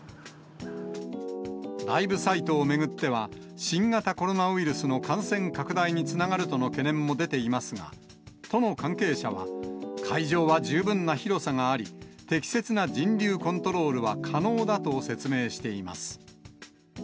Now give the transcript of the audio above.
ライブサイトを巡っては、新型コロナウイルスの感染拡大につながるとの懸念も出ていますが、都の関係者は、会場は十分な広さがあり、適切な人流コントロールは可能だと説明しています。